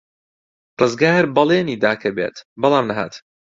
ڕزگار بەڵێنی دا کە بێت، بەڵام نەهات.